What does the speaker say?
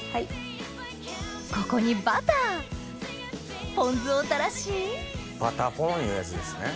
ここにバターポン酢を垂らしバタポンいうやつですね。